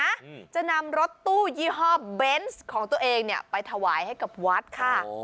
อืมจะนำรถตู้ยี่ห้อเบนส์ของตัวเองเนี้ยไปถวายให้กับวัดค่ะโอ้